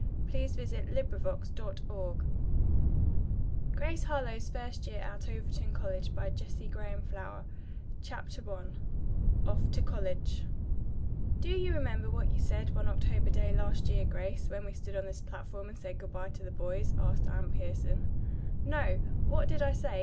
Good bye to their Freshman Year 239 Grace Harlowe's First Year at Overton College CHAPTER I OFF TO COLLEGE "Do you remember what you said one October day last year, Grace, when we stood on this platform and said good bye to the boys?" asked Anne Pierson. "No, what did I say?"